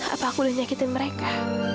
apa aku udah nyakitin mereka